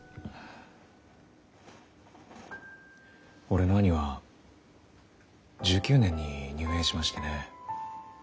俺の兄は１９年に入営しましてね。